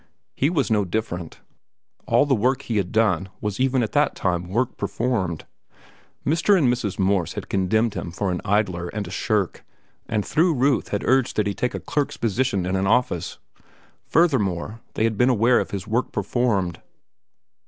He was no different. All the work he had done was even at that time work performed. Mr. and Mrs. Morse had condemned him for an idler and a shirk and through Ruth had urged that he take a clerk's position in an office. Furthermore, they had been aware of his work performed.